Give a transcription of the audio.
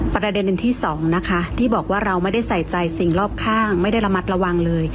ประเด็นหนึ่งที่สองนะคะที่บอกว่าเราไม่ได้ใส่ใจสิ่งรอบข้างไม่ได้ระมัดระวังเลย